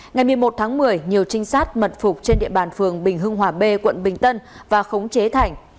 ngày một mươi một tháng một mươi nhiều trinh sát mật phục trên địa bàn phường bình hưng hòa b quận bình tân và khống chế thành